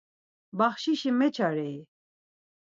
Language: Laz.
Baxşişi meçarei?